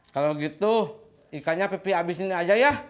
kalau gitu ikannya pipih abis ini aja ya